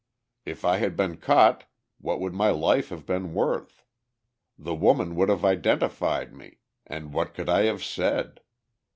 If I had been caught what would my life have been worth? The woman would have identified me and what could I have said?